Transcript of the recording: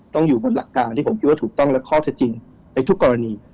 อยู่บนหลักการที่ผมคิดว่าถูกต้องและข้อเท็จจริงในทุกกรณี